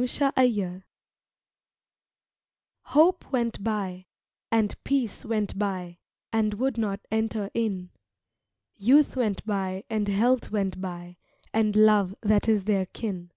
THE POOR HOUSE HOPE went by and Peace went by And would not enter in; Youth went by and Health went by And Love that is their kin.